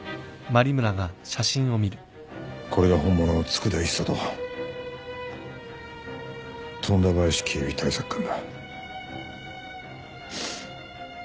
これが本物の佃一佐と富田林警備対策官だ。